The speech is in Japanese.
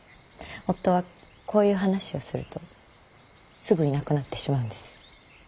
夫はこういう話をするとすぐいなくなってしまうんです。